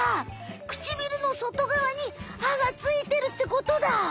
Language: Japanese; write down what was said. くちびるのそとがわに歯がついてるってことだ。